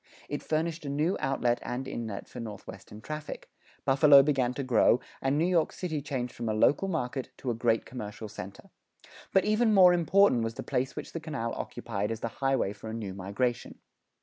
It furnished a new outlet and inlet for northwestern traffic; Buffalo began to grow, and New York City changed from a local market to a great commercial center. But even more important was the place which the canal occupied as the highway for a new migration.